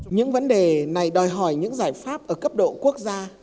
những vấn đề này đòi hỏi những giải pháp ở cấp độ quốc gia